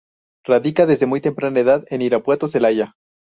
Radica desde muy temprana edad en Irapuato, Celaya.